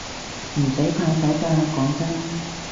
唔使怕醜㗎，講真